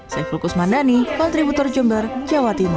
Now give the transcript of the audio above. saya fulkus mandani kontributor jember jawa timur